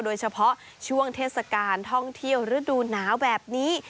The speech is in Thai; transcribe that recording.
โดยเฉพาะช่วงเทศกาลท่องเที่ยวฤดูหนาวแบบนี้